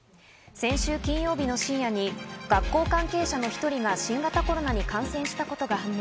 先週金曜日の深夜に学校関係者の１人が新型コロナに感染したことが判明。